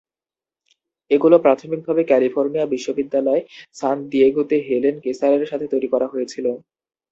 এগুলো প্রাথমিকভাবে ক্যালিফোর্নিয়া বিশ্ববিদ্যালয়, সান ডিয়েগোতে হেলেন কেসারের সাথে তৈরি করা হয়েছিল।